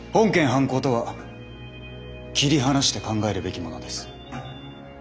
犯行とは切り離して考えるべきものです。